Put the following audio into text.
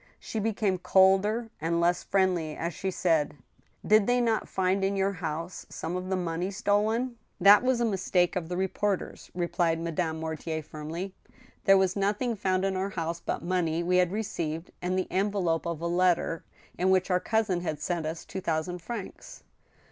She became colder and less friendly, as she said :" Did they not find in your house some of the money stolen ?"." That was a mistake of the reporters," replied Madame Mortier, firmly. " There was nothing found in our house but money we had received, and the envelope of a letter in which our cousin had sent us two thousand francs."